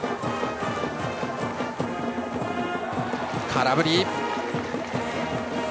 空振り。